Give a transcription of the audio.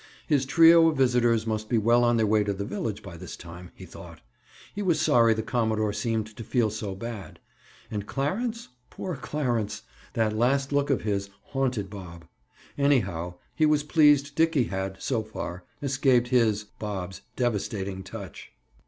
His trio of visitors must be well on their way to the village by this time, he thought. He was sorry the commodore seemed to feel so bad. And Clarence?—poor Clarence! That last look of his haunted Bob. Anyhow, he was pleased Dickie had, so far, escaped his (Bob's) devastating touch.